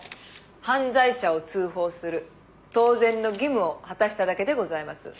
「犯罪者を通報する」「当然の義務を果たしただけでございます」